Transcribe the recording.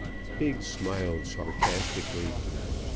Biggs smiled sarcastically.